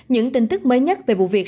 những tin tức mới nhất về vụ việc